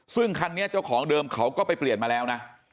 ซึ่งคันนี้เจ้าของเดิมเขาก็ไปเปลี่ยนมาแล้วนะ